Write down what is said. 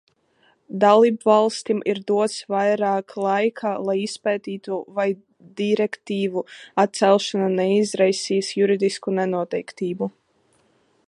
Dalībvalstīm ir dots vairāk laika, lai izpētītu, vai direktīvu atcelšana neizraisīs juridisku nenoteiktību.